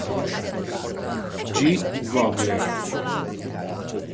G. Vogler.